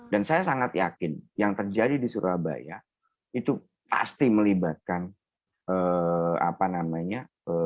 dan saya sangat yakin yang terjadi di surabaya itu pasti melibatkan apa namanya